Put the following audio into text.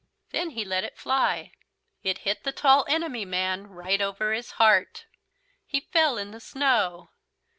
Then he let it fly. It hit the Tall Enemy Man right over his heart. He fell in the snow.